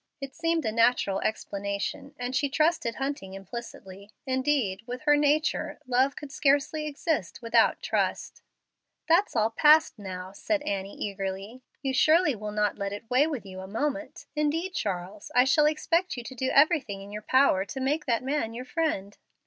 It seemed a natural explanation, and she trusted Hunting implicitly. Indeed, with her nature, love could scarcely exist without trust. "That's all past now," said Annie, eagerly. "You surely will not let it weigh with you a moment. Indeed, Charles, I shall expect you to do everything in your power to make that man your friend."